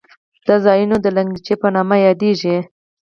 دا ځایونه د لګنچې په نامه یادېږي.